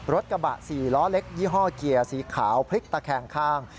รถกระบะ๔ล้อเล็กยี่ห้อเกียร์สีขาวพลิกตะแคงข้าง